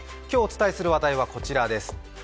今日お伝えする話題はこちらです。